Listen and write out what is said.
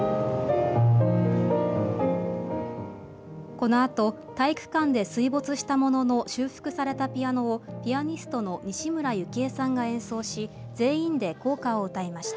このあと体育館で水没したものの修復されたピアノをピアニストの西村由紀江さんが演奏し全員で校歌を歌いました。